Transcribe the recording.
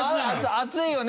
熱いよね？